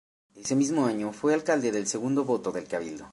Ese mismo año fue alcalde de segundo voto del cabildo.